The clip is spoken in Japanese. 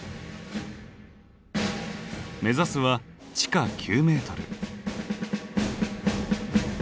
目指すは地下９メートル。